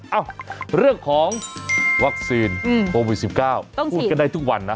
เอ้าเรื่องของวัคซีนโควิดสิบเก้าต้องฉีดพูดกันได้ทุกวันนะ